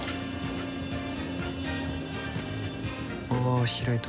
あ開いた。